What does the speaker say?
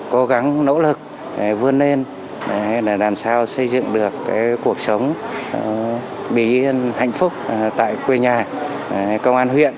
cố gắng nỗ lực vươn lên làm sao xây dựng được cuộc sống bí yên hạnh phúc tại quê nhà công an huyện